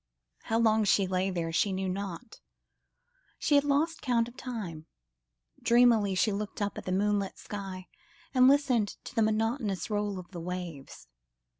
How long she lay there she knew not. She had lost count of time; dreamily she looked up at the moonlit sky, and listened to the monotonous roll of the waves.